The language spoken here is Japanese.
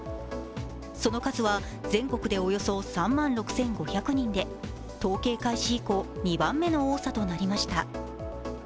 その数は全国でおよそ３万６５００人で統計開始以降、２番目の多さとなりました。